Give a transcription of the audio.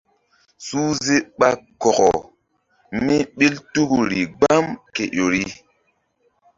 Suhze ɓa kɔkɔ míɓil tuku ri gbam ke ƴori.